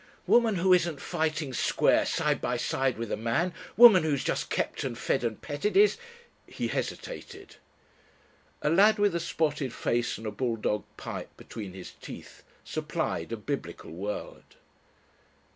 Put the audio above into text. Woman who isn't fighting square side by side with a man woman who's just kept and fed and petted is ..." He hesitated. A lad with a spotted face and a bulldog pipe between his teeth supplied a Biblical word.